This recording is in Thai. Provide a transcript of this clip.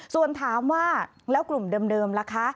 ส่วนถามว่าแล้วกลุ่มเดิมล่ะคะ